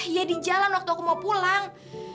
ya di jalan waktu aku mau pulang